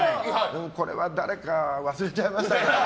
これは誰か忘れちゃいました。